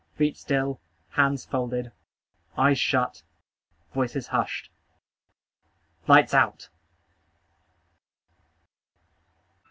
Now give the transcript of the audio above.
Feet still. Hands folded. Eyes shut. Voices hushed. LIGHTS OUT!